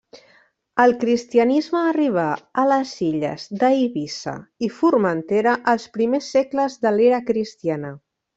El Cristianisme arribà a les illes d'Eivissa i Formentera els primers segles de l'era cristiana.